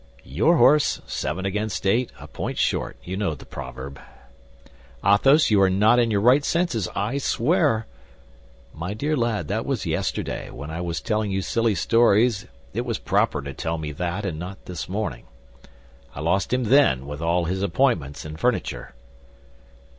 "Your horse, seven against eight; a point short—you know the proverb." "Athos, you are not in your right senses, I swear." "My dear lad, that was yesterday, when I was telling you silly stories, it was proper to tell me that, and not this morning. I lost him then, with all his appointments and furniture."